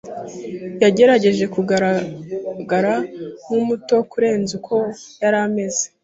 Yagerageje kugaragara nkumuto kurenza uko yari ameze.